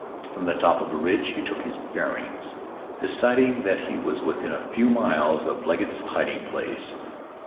From the top of a ridge he took his bearings, deciding that he was within a few miles of Legget's hiding place.